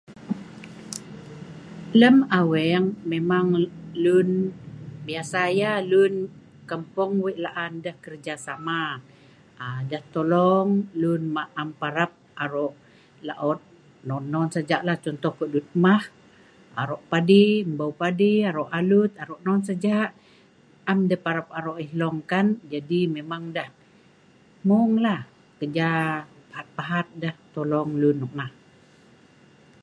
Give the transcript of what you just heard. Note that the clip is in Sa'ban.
Lem aweng memang lun biasa yah lun kampong weik laan deh kerjasama, deh tolong lun ma' am parap arok laot non-non sajalah, contoh kudut mah', arok padi, mbeu' padi, arok alut, arok non saja. Am deh parap arok yeh hlong kan, jadi memang deh hmung lah, kerja pahat-pahat deh tolong lun nok nah.